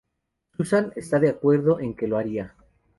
Susan está de acuerdo en que lo haría.